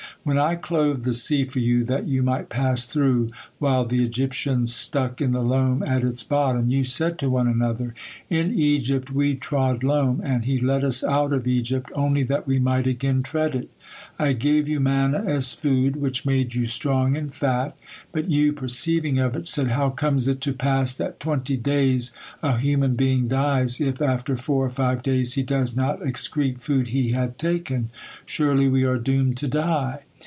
When I clove the sea for you that you might pass through, while the Egyptians stuck in the loam at its bottom, you said to one another, 'In Egypt we trod loam, and He led us out of Egypt, only that we might again tread it.' I gave you manna as food, which made you strong and fat, but you, perceiving of it, said: 'How comes it to pass that twenty days a human being dies if after four or five days he does not excrete food he had taken. Surely we are doomed to die.'